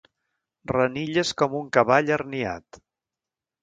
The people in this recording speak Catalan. Renilles com un cavall herniat.